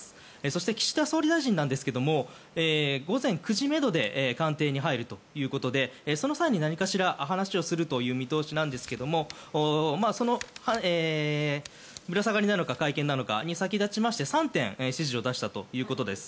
そして、岸田総理大臣なんですが午前９時めどで官邸に入るということでその際に何かしら話をするという見通しですがぶら下がりなのか会見なのかに先立ちまして３点指示を出したということです。